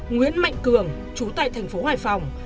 nguyễn mạnh cường trú tại thành phố hoài phòng